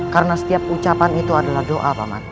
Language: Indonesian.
karena setiap ucapan itu adalah doa paman